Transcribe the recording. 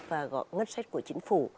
và ngất sách của chính phủ